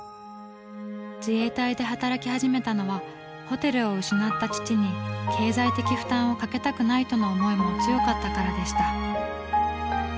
自衛隊で働きはじめたのはホテルを失った父に経済的負担をかけたくないとの思いも強かったからでした。